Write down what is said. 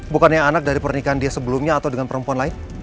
bukannya anak dari pernikahan dia sebelumnya atau dengan perempuan lain